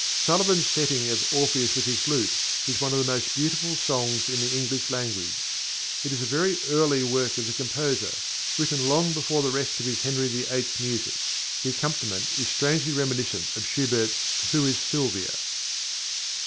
Sullivan's setting of "Orpheus with his lute" is one of the most beautiful songs in the English language. It is a very early work of the composer, written long before the rest of his Henry VIII. music. The accompaniment is strangely reminiscent of Schubert's _Who is Sylvia?